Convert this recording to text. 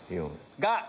が。